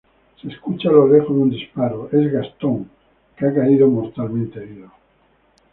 Se escucha a lo lejos un disparo; es Gastone que ha caído mortalmente herido.